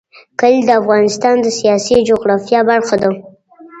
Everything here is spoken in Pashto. کلي د افغانستان د سیاسي جغرافیه برخه ده.